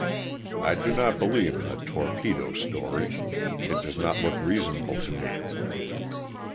I do not believe in the torpedo story. It does not look reasonable to me.